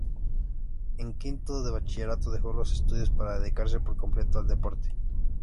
En quinto de Bachillerato dejó los estudios para dedicarse por completo al deporte.